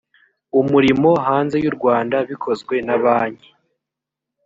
umurimo hanze y u rwanda bikozwe na banki